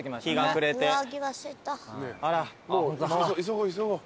急ごう急ごう。